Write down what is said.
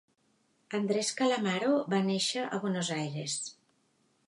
Andres Calamaro va néixer a Buenos Aires.